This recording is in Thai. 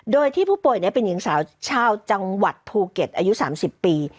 โดยที่ผู้ป่วยเป็นหญิงสาวชาวจังหวัดภูเก็ตอายุ๓๐ปี